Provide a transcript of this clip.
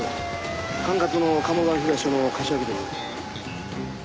管轄の鴨川東署の柏木です。